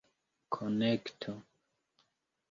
konekto